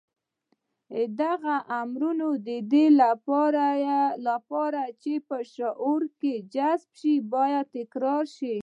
دغه امرونه د دې لپاره چې په لاشعور کې جذب شي بايد تکرار شي.